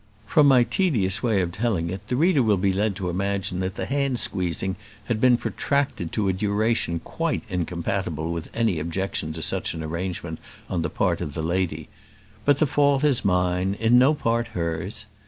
From my tedious way of telling it, the reader will be led to imagine that the hand squeezing had been protracted to a duration quite incompatible with any objection to such an arrangement on the part of the lady; but the fault is mine: in no part hers.